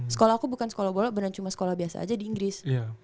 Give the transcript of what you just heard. sekolah aku bukan sekolah bola dan cuma sekolah biasa aja di inggris